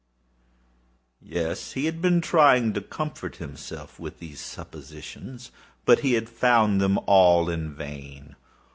Yes, he had been trying to comfort himself with these suppositions: but he had found all in vain.